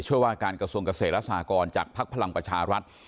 ว่าการกระทรวงเกษตรและสหกรจากภักดิ์พลังประชารัฐ